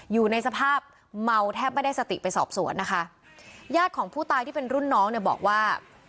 อยู่ในสภาพเมาแทบไม่ได้สติไปสอบสวนนะคะญาติของผู้ตายที่เป็นรุ่นน้องเนี่ยบอกว่า